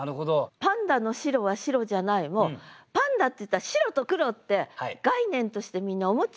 「パンダのしろは白ぢやない」もパンダっていったら白と黒って概念としてみんな思っちゃってるじゃない？